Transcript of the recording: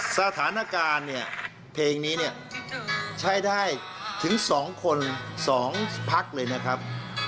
สถานการณ์เพลงนี้ใช้ได้ถึง๒คน๒พักเลยนะครับ